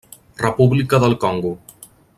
República del Congo.